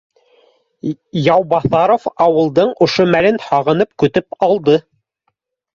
Яубаҫаров ауылдың ошо мәлен һағынып көтөп алды